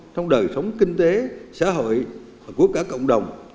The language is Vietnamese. trong đời sống kinh tế xã hội và của cả cộng đồng